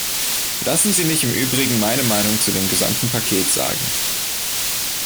Lassen Sie mich im Übrigen meine Meinung zu dem gesamten Paket sagen.